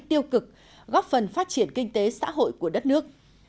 tiêu cực góp phần phát triển kinh tế xã hội của đất nước